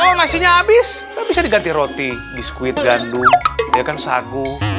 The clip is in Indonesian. kalau nasinya habis bisa diganti roti biskuit gandum dia kan sagu